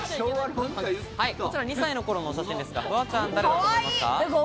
こちら２歳の頃のお写真ですが、フワちゃん、誰だと思いますか？